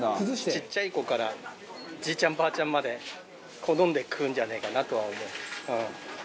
ちっちゃい子からじいちゃんばあちゃんまで好んで食うんじゃねえかなとは思ううん。